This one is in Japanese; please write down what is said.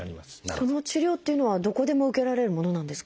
その治療っていうのはどこでも受けられるものなんですか？